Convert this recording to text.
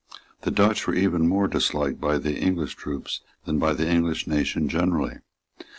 The Dutch were even more disliked by the English troops than by the English nation generally.